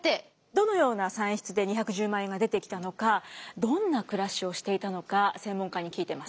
どのような算出で２１０万円が出てきたのかどんな暮らしをしていたのか専門家に聞いてます。